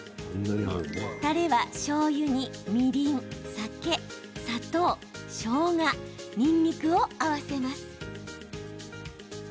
たれは、しょうゆにみりん酒、砂糖、しょうが、にんにくを合わせます。